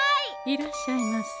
いらっしゃいませ。